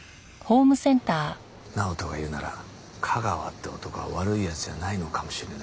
直人が言うなら架川って男は悪い奴じゃないのかもしれないな。